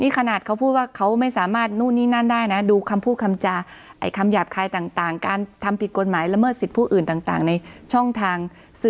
เขาพูดว่าเขาไม่สามารถงานได้นะดู